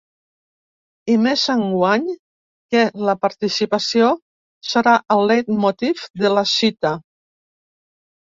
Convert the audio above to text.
I més enguany, que la ‘participació’ serà el leitmotiv de la cita.